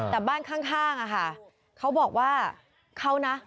แต่บ้านข้างอะค่ะเขาบอกว่าเขานะ